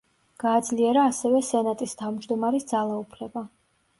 გააძლიერა ასევე სენატის თავმჯდომარის ძალაუფლება.